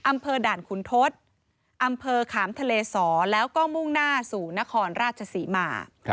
อำเภอด่านขุนทศอำเภอขามทะเลสอแล้วก็มุ่งหน้าสู่นครราชศรีมา